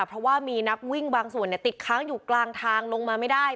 เพราะว่ามีนักวิ่งบางส่วนติดค้างอยู่กลางทางลงมาไม่ได้